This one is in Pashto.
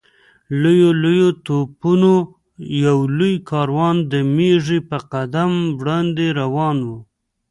لویو لویو توپونو یو لوی کاروان د مېږي په قدم وړاندې روان و.